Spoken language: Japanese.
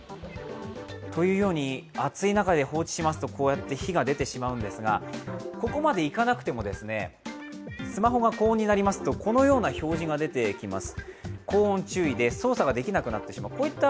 暑い中で放置しますとこのように火が出てしまうんですがここまでいかなくてもスマホが高温になりますとこのような表示が出てきます。